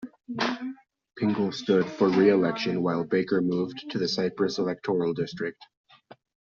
Pingle stood for re-election while Baker moved to the Cypress electoral district.